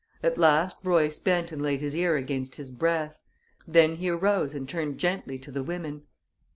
At last Royce bent and laid his ear against his breast. Then he arose and turned gently to the women.